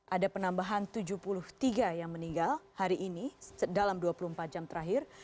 ada penambahan tujuh puluh tiga yang meninggal hari ini dalam dua puluh empat jam terakhir